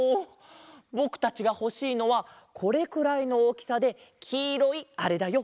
ぼくたちがほしいのはこれくらいのおおきさできいろいあれだよ。